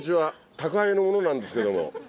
宅配の者なんですけども。